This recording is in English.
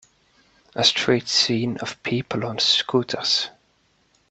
A street scene of people on scooters.